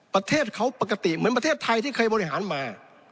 ประเทศเขาปกติเหมือนประเทศไทยที่เคยบริหารมา